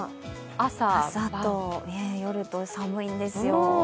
朝、夜と寒いんですよ。